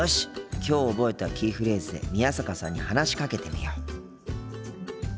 きょう覚えたキーフレーズで宮坂さんに話しかけてみよう。